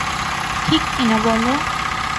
ঠিক কি না বলো।